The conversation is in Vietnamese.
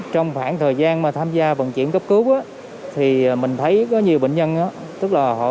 trong khoảng thời gian mà tham gia vận chuyển cấp cứu thì mình thấy có nhiều bệnh nhân tức là họ